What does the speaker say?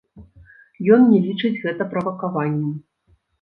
Ён не лічыць гэта правакаваннем.